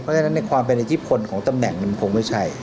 เพราะฉะนั้นในความเป็นอิทธิพลของตำแหน่งมันคงไม่ใช่